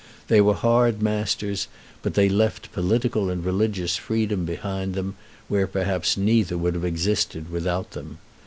They were hard masters, but they left political and religious freedom behind them, where perhaps neither would have existed without them.